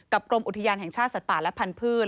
กรมอุทยานแห่งชาติสัตว์ป่าและพันธุ์